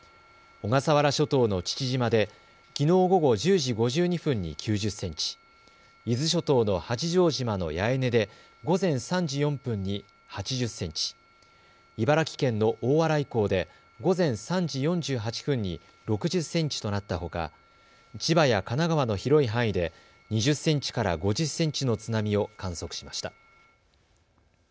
小笠原諸島の父島できのう午後１０時５２分に９０センチ、伊豆諸島の八丈島の八重根で午前３時４分に８０センチ、茨城県の大洗港で午前３時４８分に６０センチとなったほか千葉や神奈川の広い範囲で２０センチから５０センチの津波を観測しました。